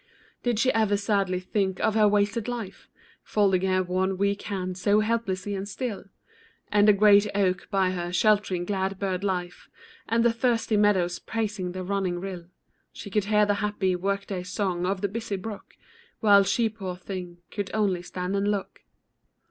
Did she ever sadly think of her wasted life, Folding her wan weak hands so helpless and still; And the great oak by her sheltering glad bird life, And the thirsty meadows praising the running rill; She could hear the happy work day song of the busy brook, While she, poor thing, could only stand and look.